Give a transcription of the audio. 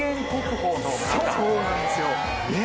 そうなんですよ。